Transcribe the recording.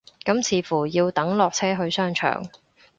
咁似乎要等落車去商場